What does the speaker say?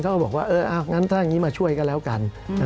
ก็บอกว่าเอองั้นถ้าอย่างนี้มาช่วยก็แล้วกัน